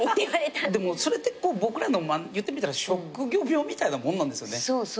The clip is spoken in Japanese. でもそれって僕らの言ってみたら職業病みたいなもんなんですよね。